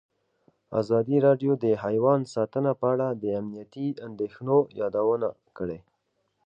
ازادي راډیو د حیوان ساتنه په اړه د امنیتي اندېښنو یادونه کړې.